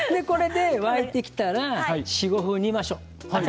これで沸いてきたら４、５分、煮ましょう。